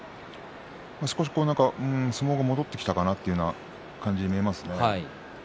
少し相撲が戻ってきたかなという感じに見えますね。